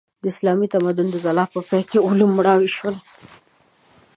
د اسلامي تمدن د ځلا په پای کې علوم مړاوي شول.